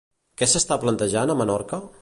Què s'està plantejant a Menorca?